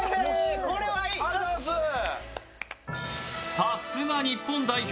さすが日本代表。